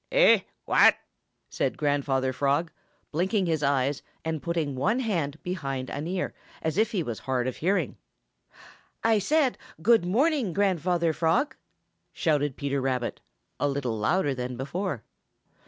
"Eh? What?" said Grandfather Frog, blinking his eyes and putting one hand behind an ear, as if he was hard of hearing. "I said good morning, Grandfather Frog!" shouted Peter Rabbit, a little louder than before.